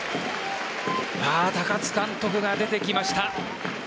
高津監督が出てきました。